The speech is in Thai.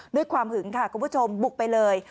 ด้วยความหึงค่ะคุณผู้ชมบุกไปเลย